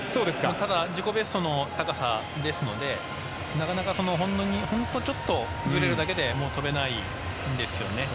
ただ、自己ベストの高さですのでなかなか、本当にちょっとずれるだけで跳べないんですよね。